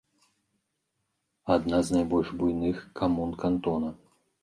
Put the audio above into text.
Адна з найбольш буйных камун кантона.